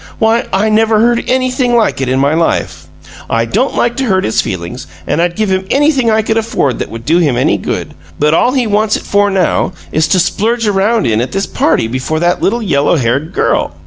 Why, I never heard anything like it in my life! I don't like to hurt his feelings, and I'd give him anything I could afford that would do him any good, but all he wants it for now is to splurge around in at this party before that little yellow haired girl!